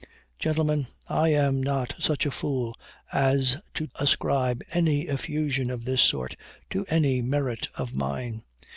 "Gentlemen, I am not such a fool as to ascribe any effusion of this sort to any merit of mine.